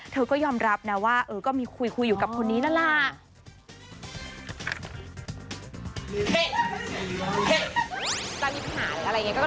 เธอก็ยอมรับนะว่าก็มีคุยอยู่กับคนนี้นั่นแหละ